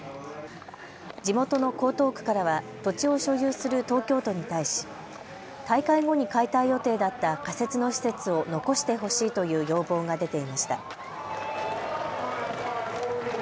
地元の江東区からは土地を所有する東京都に対し大会後に解体予定だった仮設の施設を残してほしいという要望が出ていました。